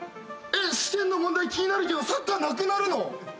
試験の問題気になるけどサッカーなくなるの！？